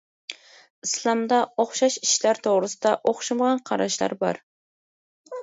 ئىسلامدا ئوخشاش ئىشلار توغرىسىدا ئوخشىمىغان قاراشلار بار.